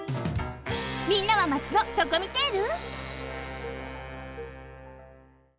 みんなはマチのドコミテール？